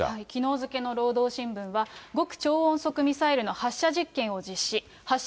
きのう付けの労働新聞は、極超音速ミサイルの発射実験を実施。